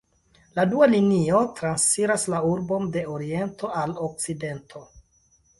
La dua linio transiras la urbon de oriento al okcidento.